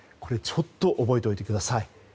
ちょっと覚えておいてください。